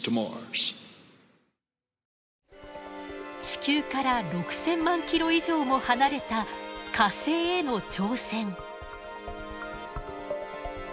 地球から６，０００万キロ以上も離れた火星への挑戦。